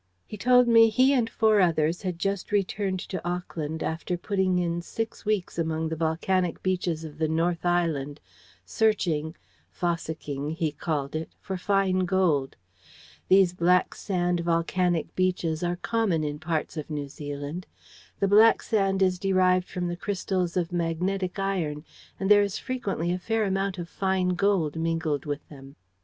"He told me he and four others had just returned to Auckland after putting in six weeks among the volcanic beaches of the North Island, searching 'fossicking,' he called it for fine gold. These black sand volcanic beaches are common in parts of New Zealand. The black sand is derived from the crystals of magnetic iron, and there is frequently a fair amount of fine gold mingled with them.